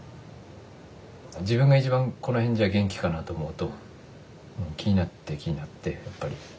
自分が一番この辺じゃ元気かなと思うと気になって気になってやっぱり。